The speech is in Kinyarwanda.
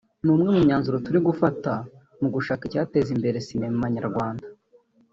“ni umwe mu myanzuro turi gufata mu gushaka icyateza imbere sinema nyarwanda